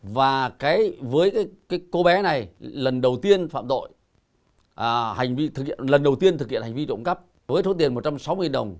và với cô bé này lần đầu tiên thực hiện hành vi trộm cấp với số tiền một trăm sáu mươi đồng